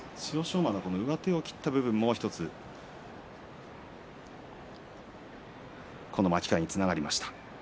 馬の上手を切った部分も１つこの巻き替えにつながりました。